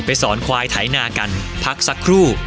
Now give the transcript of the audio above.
สอนควายไถนากันพักสักครู่